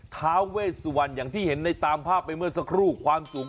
ท้าเวสวรรค์อย่างที่เห็นในตามภาพไปเนื้อสกรูค